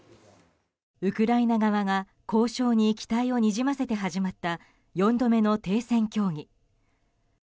ウクライナ側が交渉に期待をにじませて始まった４度目の停戦協議。